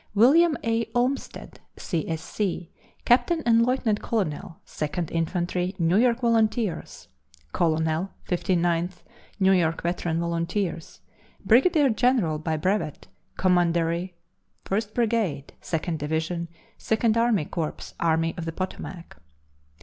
William A. Olmsted, C. S. C., captain and lieutenant colonel Second Infantry, New York Volunteers, colonel Fifty ninth New York Veteran Volunteers; brigadier general by brevet, commandery First Brigade, Second Division, Second Army Corps, Army of the Potomac.